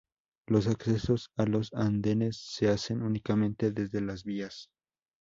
Los accesos a los andenes se hacen únicamente desde las vías.